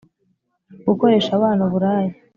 gukoresha abana uburaya: